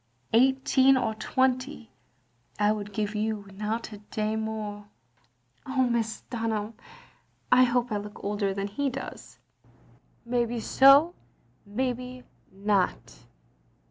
Eighteen or twenty I would give you, and not a day more. '* "Oh, Mrs. Dunham, I hope I look older than he does." " Maybe so and maybe not.